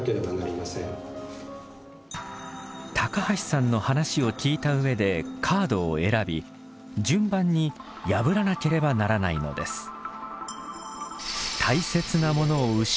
橋さんの話を聞いた上でカードを選び順番に破らなければならないのです。